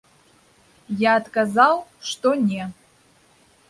Я адказаў, што не.